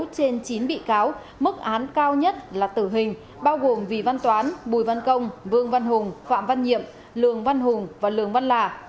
sáu trên chín bị cáo mức án cao nhất là tử hình bao gồm vy văn toán bùi văn công vương văn hùng phạm văn nhiệm lương văn hùng và lương văn lạ